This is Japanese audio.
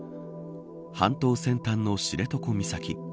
半島先端の知床岬。